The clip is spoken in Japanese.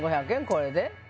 これで？